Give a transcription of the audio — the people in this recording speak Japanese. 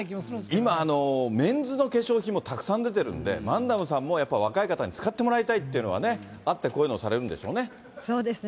今、メンズの化粧品もたくさん出てるんで、マンダムさんもやっぱ、若い方にも使ってもらいたいっていうのはあって、こういうのされそうですね。